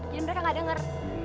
jangan mereka gak denger